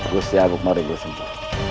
gusti amok marugo sudah mati